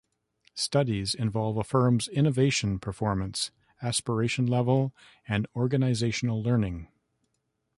Studies involve a firm's innovation performance, aspiration level, and organizational learning.